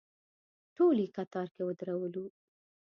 ټول یې کتار کې ودرولو.